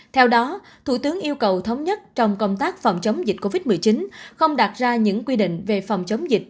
theo đó thủ tướng yêu cầu thống nhất trong công tác phòng chống dịch covid một mươi chín không đạt ra những quy định về phòng chống dịch